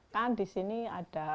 kan di sini ada